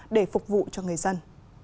để phục vụ cho người dân